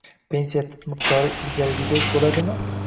pensiya miqdori ilgarigidek bo‘ladimi?